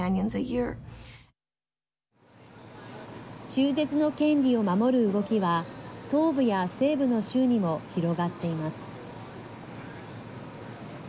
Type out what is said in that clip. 中絶の権利を守る動きは東部や西部の州にも広がっています。